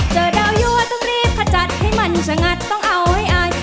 เจอดาวยั่วต้องรีบขจัดให้มันสงัดต้องเอาให้อาย